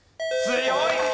強い！